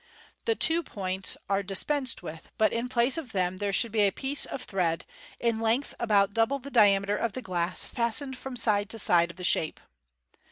The two points are dispensed with, but in place of them there should be a piece of thread, in length about double the diameter of the glass, fastened from side to side of the shape.